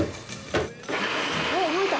おっ動いた。